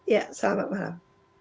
ya selamat malam